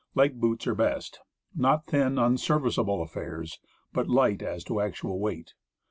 Light boots are best. Not thin, unserviceable affairs, but light as to actual weight.